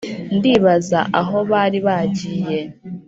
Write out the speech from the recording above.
ndibaza aho bari bajyiye